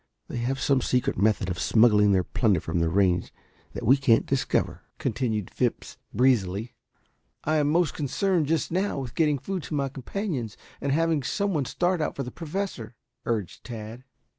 They have some secret method of smuggling their plunder from the range that we can't discover," continued Phipps breezily. "I am most concerned just now with getting food to my companions and having some one start out for the Professor," urged Tad.